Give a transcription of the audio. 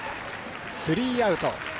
スリーアウト。